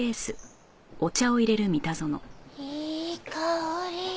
いい香り！